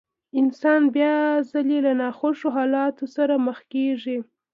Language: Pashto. انسان بيا ځلې له ناخوښو حالاتو سره مخ کېږي.